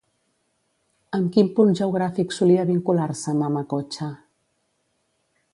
Amb quin punt geogràfic solia vincular-se Mama Cocha?